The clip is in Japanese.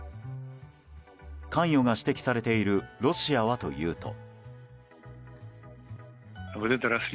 関与が指摘されているロシアはというと。